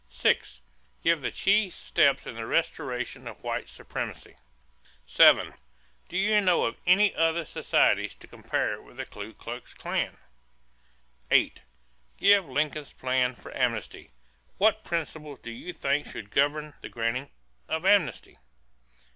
6. Give the chief steps in the restoration of white supremacy. 7. Do you know of any other societies to compare with the Ku Klux Klan? 8. Give Lincoln's plan for amnesty. What principles do you think should govern the granting of amnesty?